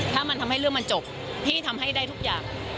ถ้ามันทำให้เรื่องมันจบพี่ทำให้ได้ทุกอย่าง